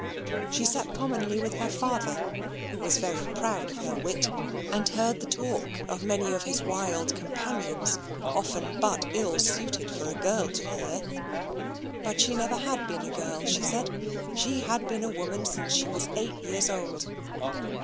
She sate commonly with her father, who was very proud of her wit, and heard the talk of many of his wild companions often but ill suited for a girl to hear. But she never had been a girl, she said; she had been a woman since she was eight years old.